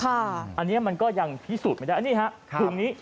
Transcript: อันนี้มันก็ยังพิสูจน์ไม่ได้อันนี้ฮะถุงนี้